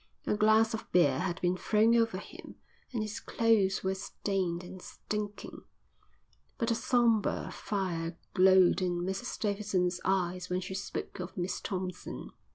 A glass of beer had been thrown over him and his clothes were stained and stinking. But a sombre fire glowed in Mrs Davidson's eyes when she spoke of Miss Thompson.